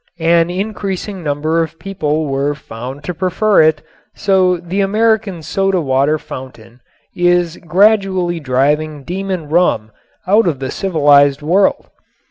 An increasing number of people were found to prefer it, so the American soda water fountain is gradually driving Demon Rum out of the civilized world.